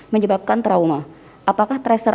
menyebabkan trauma apakah tracer